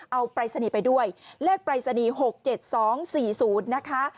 เอาปรายศนีย์ไปด้วยเลขปรายศนีย์๖๗๒๔๐นะคะ